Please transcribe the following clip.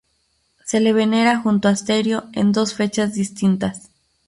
Se le venera junto a Asterio, en dos fechas distintas.